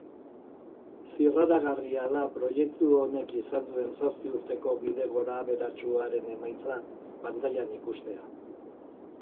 Zirraragarria da proiektu honek izan duen zazpi urteko bide gorabeheratsuaren emaitza pantailan ikustea.